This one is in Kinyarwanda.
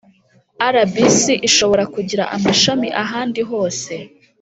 Rbc ishobora kugira amashami ahandi hose